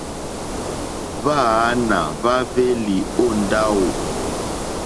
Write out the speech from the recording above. Hwáǎnà hwáhwélì ó ndáwò.